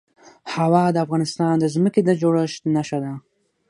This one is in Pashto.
هوا د افغانستان د ځمکې د جوړښت نښه ده.